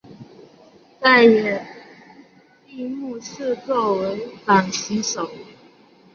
也在闭幕式作为掌旗手。